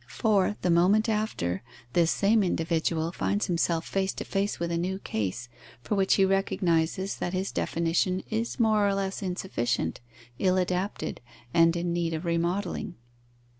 For, the moment after, this same individual finds himself face to face with a new case, for which he recognizes that his definition is more or less insufficient, ill adapted, and in need of remodelling.